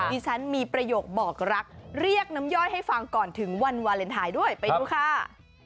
ดิฉันมีประโยคบอกรักเรียกน้ำย่อยให้ฟังก่อนถึงวันวาเลนไทยด้วยไปดูค่ะ